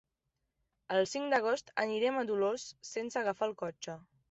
El cinc d'agost anirem a Dolors sense agafar el cotxe.